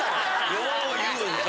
よう言うよ。